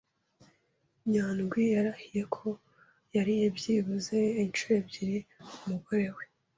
Nyandwi yarahiye ko yariye byibuze inshuro ebyiri umugore we.